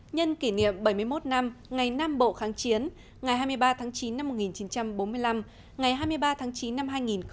nhân kỷ niệm bảy mươi một năm ngày nam bộ kháng chiến ngày hai mươi ba tháng chín năm một nghìn chín trăm bốn mươi năm ngày hai mươi ba tháng chín năm hai nghìn một mươi chín